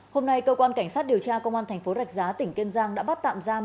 hôm nay cơ quan cảnh sát điều tra công an thành phố rạch giá tỉnh kiên giang đã bắt tạm giam